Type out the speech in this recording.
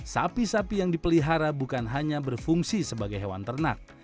sapi sapi yang dipelihara bukan hanya berfungsi sebagai hewan ternak